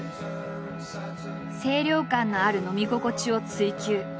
清涼感のある飲み心地を追求。